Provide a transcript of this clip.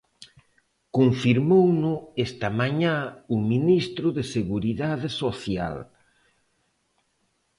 Confirmouno esta mañá o ministro de Seguridade Social.